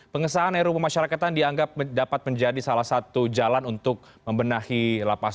pengesahan ru pemasyarakatan dianggap dapat menjadi salah satu jalan untuk membenahi lapas